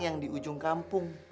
yang di ujung kampung